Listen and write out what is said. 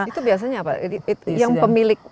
itu biasanya apa yang pemilik